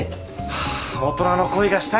大人の恋がしたいなぁ。